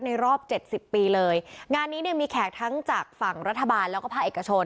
รอบเจ็ดสิบปีเลยงานนี้เนี่ยมีแขกทั้งจากฝั่งรัฐบาลแล้วก็ภาคเอกชน